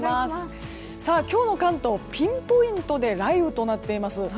今日の関東ピンポイントで雷雨となっています。